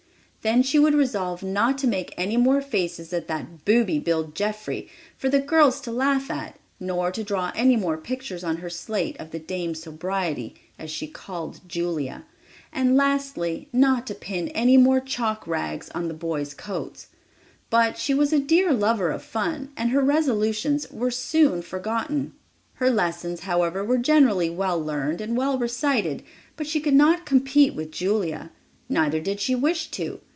Then she would resolve not to make any more faces at that booby, Bill Jeffrey, for the girls to laugh at, nor to draw any more pictures on her slate of the Dame Sobriety, as she called Julia, and lastly, not to pin any more chalk rags on the boys' coats. But she was a dear lover of fun and her resolutions were soon for gotten. Her lessons, however, were generally well learned, and well recited; but she could not compete with Julia, neither did she wish to.